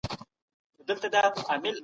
بس یو امید دی لا راته پاته